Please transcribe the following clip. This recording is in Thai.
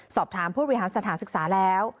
สอบถามผู้บริหารสถานศึกษาแล้ว